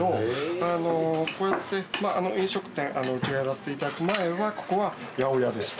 あのうこうやってまぁあのう飲食店うちがやらせていただく前はここは八百屋でした。